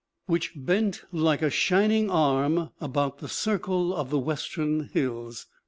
"Which bent like a shining arm about the circle of the western hills